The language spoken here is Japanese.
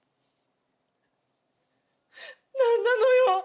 何なのよ。